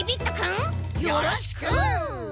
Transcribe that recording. よろしく！